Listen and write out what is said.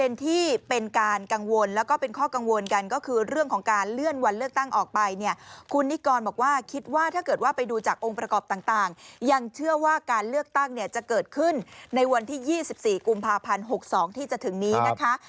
จะเกิดขึ้นในวันที่๒๔กุมภาพันธ์๖๒ที่จะถึงนี้นะคะ